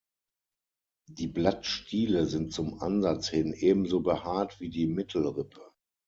Die Blattstiele sind zum Ansatz hin ebenso behaart wie die Mittelrippe.